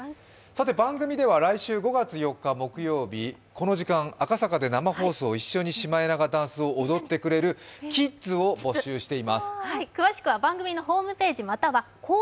番組では来週５月４日木曜日この時間、赤坂で生放送で一緒にシマエナガダンスを踊ってくれる送られてくるメッセージをご覧ください。